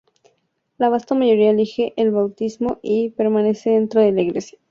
La vasta mayoría elige el bautismo y permanece dentro de la iglesia.